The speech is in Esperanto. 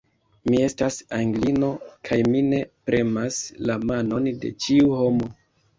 Mi estas Anglino, kaj mi ne premas la manon de ĉiu homo!